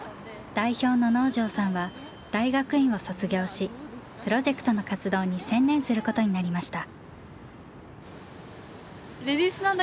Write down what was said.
代表の能條さんは大学院を卒業しプロジェクトの活動に専念することになりました。